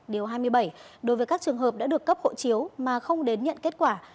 điều hai mươi bảy đối với các trường hợp đã được cấp hộ chiếu mà không đến nhận kết quả